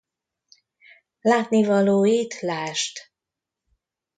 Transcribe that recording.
Látnivalóit ld.